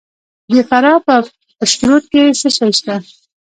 د فراه په پشترود کې څه شی شته؟